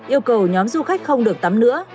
yêu cầu nhóm du khách không được tắm nữa